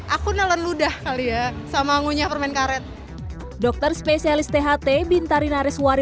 aku nalan ludah kali ya sama ngunya permain karet dokter spesialis tht bintari naris wari